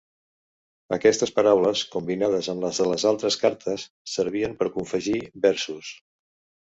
Aquestes paraules, combinades amb les de les altres cartes, servien per confegir versos.